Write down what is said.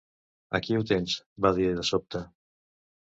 "Aquí ho tens!" va dir de sobte.